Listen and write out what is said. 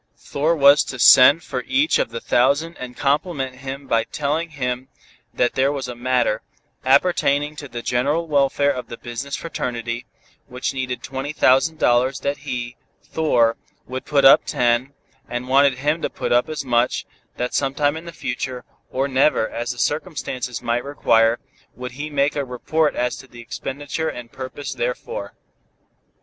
Thor was to send for each of the thousand and compliment him by telling him that there was a matter, appertaining to the general welfare of the business fraternity, which needed twenty thousand dollars, that he, Thor, would put up ten, and wanted him to put up as much, that sometime in the future, or never, as the circumstances might require, would he make a report as to the expenditure and purpose therefor.